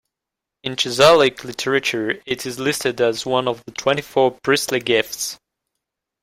In Chazalic literature it is listed as one of the twenty-four priestly gifts.